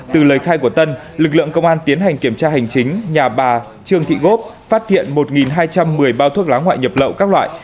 từ lời khai của tân lực lượng công an tiến hành kiểm tra hành chính nhà bà trương thị gốc phát hiện một hai trăm một mươi bao thuốc lá ngoại nhập lậu các loại